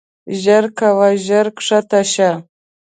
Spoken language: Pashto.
ژر کوه ژر کښته شه.